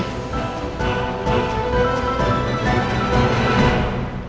kenapa bikin begini lagi